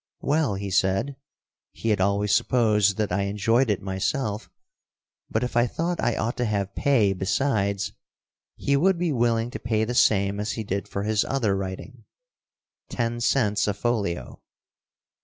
"Well," he said, he had always supposed that I enjoyed it myself, but if I thought I ought to have pay besides, he would be willing to pay the same as he did for his other writing ten cents a folio.